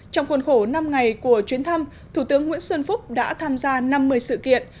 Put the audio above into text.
trong khuôn khổ năm ngày của chuyến thăm thủ tướng nguyễn xuân phúc đã tham gia năm mươi sự kiện